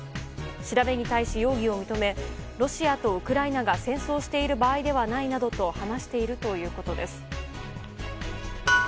調べに対し容疑を認めロシアとウクライナが戦争している場合ではないなどと話しているということです。